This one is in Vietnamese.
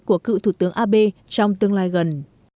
của cựu thủ tướng abe trong tương lai gần